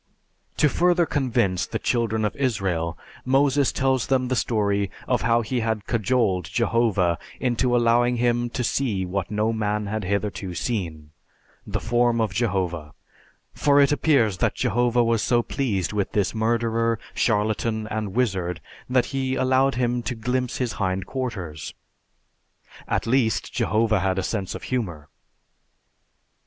To further convince the Children of Israel, Moses tells them the story of how he had cajoled Jehovah into allowing him to see what no man had hitherto seen, the form of Jehovah, for it appears that Jehovah was so pleased with this murderer, charlatan, and wizard that he allowed him to glimpse His hind quarters. At least, Jehovah had a sense of humor!